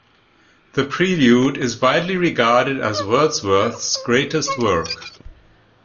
"The Prelude" is widely regarded as Wordsworth's greatest work.